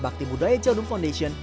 bakti budaya jodong foundation